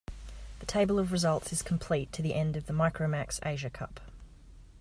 The table of results is complete to the end of the Micromax Asia Cup.